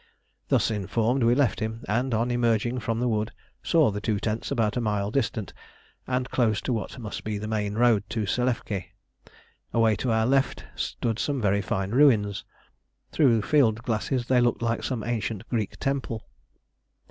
Thus informed we left him, and on emerging from the wood saw the two tents about a mile distant and close to what must be the main road to Selefké; away to our left stood some very fine ruins. Through field glasses they looked like some ancient Greek temple.